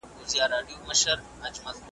اجتماعي ملکیت د سوسیالیزم اساس دی.